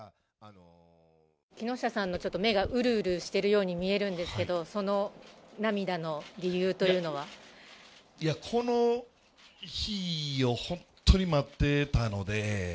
木下さんのちょっと目がうるうるしてるように見えるんですけど、いや、この日を本当に待ってたので。